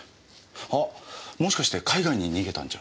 あっもしかして海外に逃げたんじゃ？